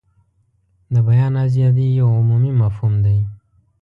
د بیان ازادي یو عمومي مفهوم دی.